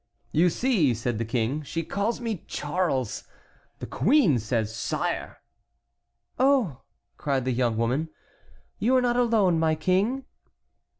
"You see," said the King, "she calls me Charles. The queen says 'sire'!" "Oh!" cried the young woman, "you are not alone, my King."